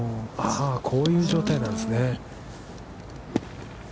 こういう状態なんですね。